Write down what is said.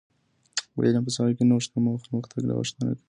د علم په ساحه کي نوښت د پرمختګ غوښتنه کوي.